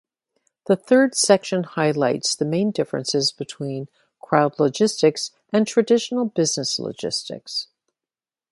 The third section highlights the main differences between crowd logistics and traditional business logistics.